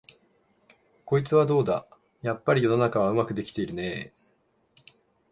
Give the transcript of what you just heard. こいつはどうだ、やっぱり世の中はうまくできてるねえ、